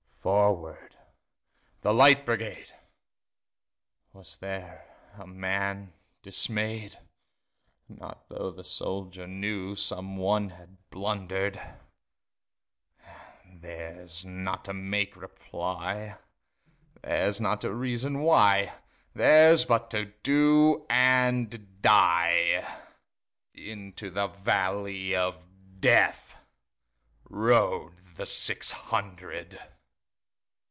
"Forward, the Light Brigade!"Was there a man dismay'd? Not tho' the soldier knewSome one had blunder'd:Theirs not to make reply, Theirs not to reason why, Theirs but to do and die:Into the valley of DeathRode the six hundred.